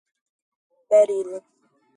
Berilo